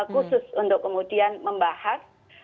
khusus untuk kemudian membahas